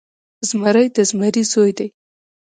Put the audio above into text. زمری د زمري زوی دی.